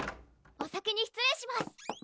・・お先に失礼します！